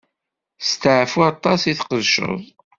Steɛfu aṭas i tqedceḍ.